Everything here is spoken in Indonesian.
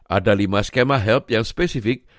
ada lima skema health yang spesifik